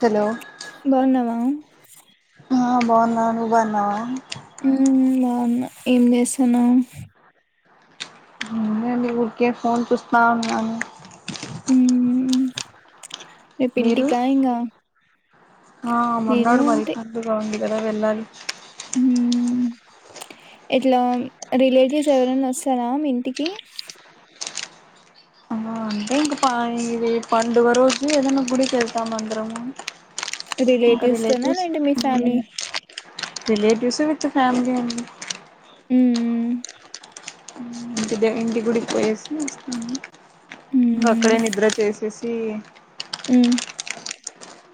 Hello బాన్నవా అ బా ఉన్నా నువ్ బాన్నావా ఉమ్ బావున్న ఎం జెస్తన్నావ్ ఎం లే అండి ఉరికే ఫోన్ చూస్తా ఉన్నాను రేప్ మీరు ఇంటికా ఇంగా ఆ నేను మొన్నాడు మాది అంతే పండుగ ఉంది గాదా వెళ్ళాలి ఊ ఎట్లా రిలేటివ్స్ ఎవరన్నా వస్తారా మీ ఇంటికి ఇంకా ప పండుగ రోజు ఏదైనా గుడికెళ్తమ్ అందరం ఇంకా రిలేటివ్స్ తోనా రెలెటివ్స్ లేదంటే మీ ఉమ్ ఫ్యామిలీ రిలేటివ్స్ విత్ ఫ్యామ్లీ అండి ఉ ఉ ఇంటి దె ఇంటి గుడికి పోయేసి వస్తాము ఇంగ అక్కడే నిద్ర చేసేసి ఉ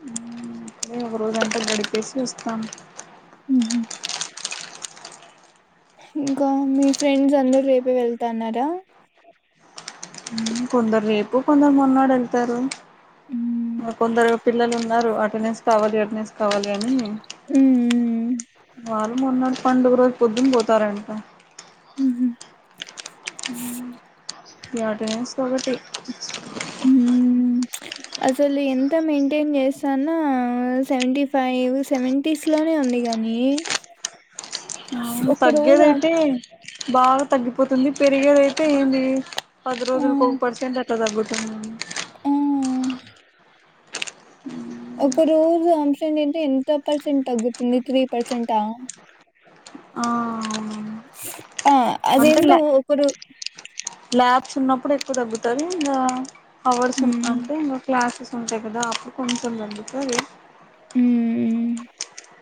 ఉమ్ అట్లే ఒక రోజంతా గడిపేసి వస్తాం ఉహు ఇంకా మీ ఫ్రెండ్స్ అందర్ రేపే వెళ్తన్నారా ఉమ్ కొందర్ రేపు కొందర్ మొన్నడు వెళ్తారు ఉమ్ ఇంగ కొందరు పిల్లలున్నారు అటెండెన్స్ కావాలి అటెండెన్స్ కావాలి అని ఉమ్ వాళ్ మొన్నటి పండుగ రోజ్ పొద్దున్ పోతారంట ఉహు ఇగ అటెండెన్స్ కాబటి ఉమ్ అసలు ఎంత మెయింటైన్ చేస్తాన సెవెంటీ ఫైవ్ సెవెంటీస్ లోనే ఉంది గా నీ ఉమ్ తగ్గేదైతే బాగా తగ్గిపోతుంది పెరిగేది అయితే ఏంది పది ఆ రోజుల్కి ఒక పెర్సెంట్ అట తగ్గుతుంది తా ఆ ఒక రోజు అమ్సెంట్ అయితే ఎంత పర్సెంట్ తగ్గుతుంది త్రీ పర్సెంటా ఆ అవునవును ఆ అంటే అదెంటో ల్యా ఒకరు ల్యాబ్స్ ఉన్నప్పుడు ఎక్కువ తగ్గుతది ఇంకా అవర్స్ హ్మ్ అంటే ఇంక క్లాసెస్ ఉంటయి గదా అప్పుడు కొంచెం తగ్గుతది ఉమ్ ఊ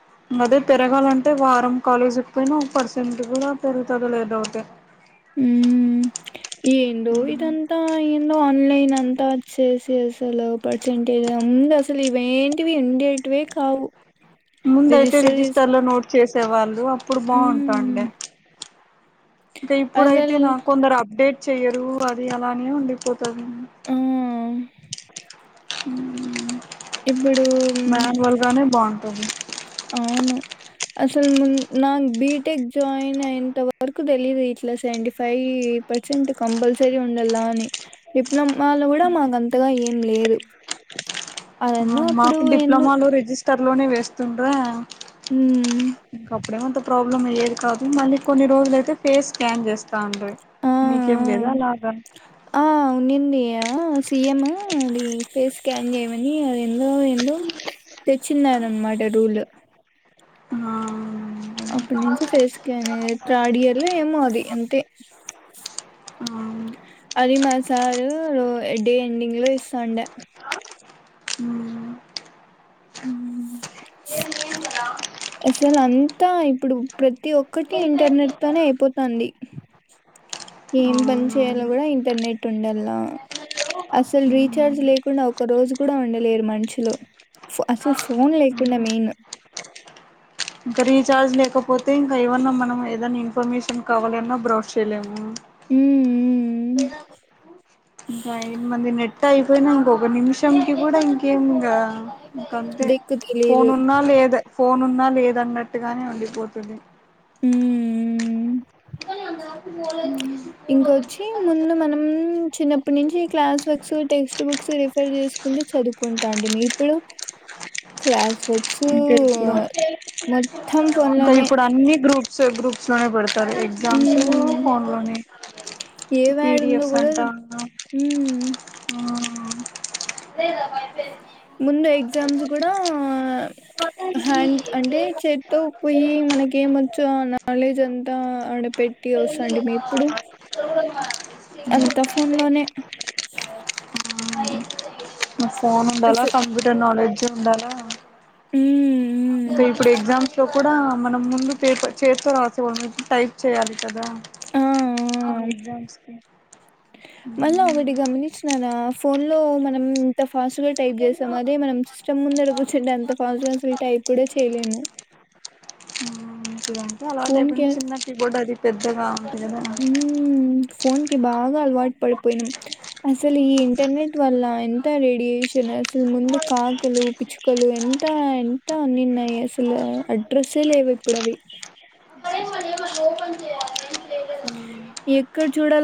అదే పెరగాలంటే వారం కాలేజ్కి పోయినా ఒక పర్సెంట్ గూడా పెరుగుతాదో లేదొ డౌటె ఊ ఏందో ఇదంతా ఏందో ఆన్లైన్ అంతా ఓచేసి అసలు పర్సెంటేజ్ ఇ అందా అసల్ ఇవేంటివీ ఉండేటివే కావు ముందైతే రిజిస్టర్ లో నోట్ చేసే వాళ్ళు అప్పుడు హ్మ్ బాగుంటండె ఇంక ఇప్పుడైతే అసలు నా కొందరు అప్డేట్ చెయ్యరు అది అలానే ఉండిపోతు తది ఆ ఊ ఇప్పుడు మ్యాన్వల్ గానే బాగుంటుంది ఔను అసల్ మున్ నాకు బిటెక్ జాయిన్ అయినంత వరకు తెలీదు ఇట్లా సెవెంటీ ఫైయి ఈ పర్సెంట్ కంపల్సరీ ఉండలా అని డిప్లొమాలో కూడా మాకు అంతగా ఏం లేదు అదన్న ఔన్ అప్పుడు మాకు ఎందు డిప్లొమాలో రిజిస్ తర్లోనే వేస్తున్డ్రా ఉమ్ ఇంక అప్పుడెమంత ప్రాబ్లమ్ అయ్యేది కాదు మళ్ళీ కొన్ని రోజులైతే ఫేస్ స్కాన్ చేస్ తాండ్రి ఆ మీకేం లేద అలాగా యా సీఎము అది ఫేస్ స్కాన్ చేయమని అది ఎందో ఎందో తెచ్చిన్నార్ అనమాట రూలు ఆ అప్పట్నించి ఫేస్కానే థర్డ్ ఇయర్లో ఏమో అది అంతే అవును అది మా సారు డే ఎండింగ్ లో ఇస్తాండె ఊమ్ అసలంత్తా ఇప్పుడు ప్రతి ఒక్కటి ఇంటర్నెట్ తోనే అయిపోతాంది ఏం పని చేయాలో అవును గూడా ఇంటర్నెట్ ఉండలా అసల్ రీచార్జ్ లేకుండా ఒక రోజు కూడా ఉండలేరు మన్షులు ఫ్ అసల్ ఫోన్ లేకుండా మెయిన్ ఇంక రీచార్జ్ లేకపోతే ఇంక ఏమన్నా మనం ఏదైనా ఇన్ఫర్మేషన్ కావాలిన్నా బ్రౌష్ చేయలేము ఉమ్ మయ్ మన్ది నెట్ అయిపోయిందనుకో ఒక నిమిషంకి గూడా ఇంకేం ఇగ ఇకంతే దిక్కు ఫోన్ తెలీదు ఉన్న లేదె ఫోన్ ఉన్నా లేదన్నట్టుగానే ఉండిపోతది ఊమ్ ఇంకొచ్చి ముందు మనం చిన్నప్పటి నుంచి class works text books refer జే చెస్కుంటు చదుకుంటాటిమి ఇప్పుడు క్లాస్ వ అంతే ఇప్పుడు ఫోన్ ఇంక లోనే ఇపుడు అన్ని గ్రూప్సు గ్రూప్స్ లోనే పెడ్ టరు ఎగ్జామ్స్ సు ఉమ్ ఫోన్ లోనే ఏ యాడ్ ఉందో పిడిఎఫ్స్ కూడా అంట ఉమ్ ఆహా ముందు ఎగ్జామ్స్ గూడా హ్యాండ్ అంటే చేతో పోయి మనకి ఏమొచ్చో ఆ నాలెడ్జ్ అంతా ఆడ పెట్టి ఒస్సాంటిమి ఇప్పుడు అంత ఫోన్ లోనే మీ ఫోన్ అస్ ఉండాలా కంప్యూటర్ నాలెడ్జ్ ఉండాలా మ్మ్ మ్మ్ అంటే ఇప్పుడు ఎగ్జామ్స్ లో కూడా మనం ముందు పేపర్ చేతో రాసే వాళ్ళం టైప్ చేయాలి కదా ఆ ఆ కొన్ని ఎగ్జామ్స్ కి మళ్ళా ఊమ్ ఒకటి గమనించినారా ఫోన్ లో మనం టఫ్ ఫాస్ట్ గా టైప్ చేస్తాం. అది మనం సిస్టం ముందర కూర్చుంటే, అంత ఫాస్ట్ గా అసల్ టైప్ కూడా చేయ్లేము. దంటే అలవాటైపోయింది చిన్న కి బోర్డ్ అది పెద్దగా అతేబనా ఫోన్ కి బాగా అల్వాట్ పడిపోయినాం అసలు ఈ ఇంటర్నెట్ వల్ల ఎంత రేడియేషన్ అసల్ ముందు కాకులు పిచ్చుకలు ఎంత ఎంత అన్నిన్నాయి అసలు అడ్రస్సే లే విప్పుడవి ఎక్కడ్ చూడాల్